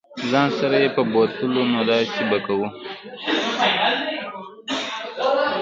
ځان سره یې بوتلو نو داسې به کوو.